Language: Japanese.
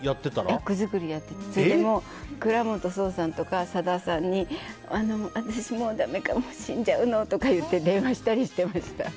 それも倉本聰さんとか、さださんに私、もうダメかも死んじゃうのとか言って電話したりしてました。